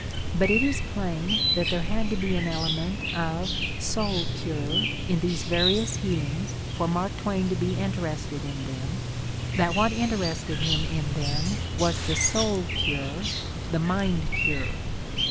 But it is plain that there had to be an element of "soul cure" in these various healings for Mark Twain to be interested in them, that what interested him in them was the "soul cure," the "mind cure."